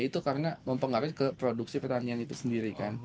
itu karena mempengaruhi ke produksi pertanian itu sendiri kan